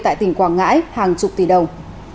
tại tỉnh quảng ngãi hàng chục tỷ đồng